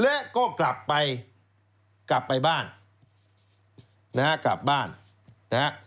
และก็กลับไปกลับไปบ้านนะฮะกลับบ้านนะฮะ